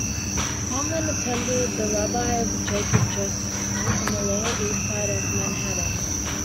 Goldman attended the Rabbi Jacob Joseph School on the Lower East Side of Manhattan.